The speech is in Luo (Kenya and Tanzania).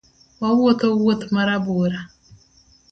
Wawuotho wuoth marabora